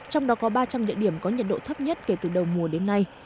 trong đó có ba trăm linh địa điểm có nhiệt độ thấp nhất kể từ đầu mùa đến nay